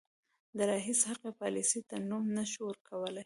د راهیسې هغې پالیسۍ ته نوم نه شو ورکولای.